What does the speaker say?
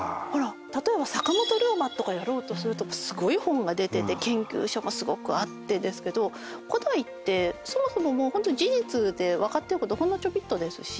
例えば坂本龍馬とかやろうとするとすごい本が出てて研究書もすごくあってですけど古代ってそもそももう事実で分かってることほんのちょびっとですし。